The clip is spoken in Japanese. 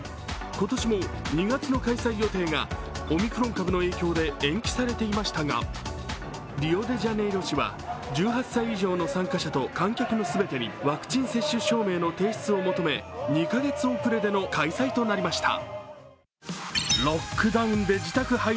今年も２月の開催予定がオミクロン株の影響で延期されていましたがリオデジャネイロ市は１８歳以上の参加者と観客の全てにワクチン接種証明の提出を求め２カ月遅れでの開催となりました。